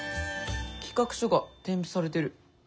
企画書が添付されてる。